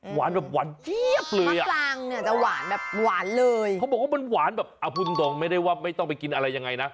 หวานแบบหวานเทียบเลย